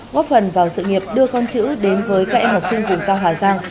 góp phần vào sự nghiệp đưa con chữ đến với các em học sinh vùng cao hà giang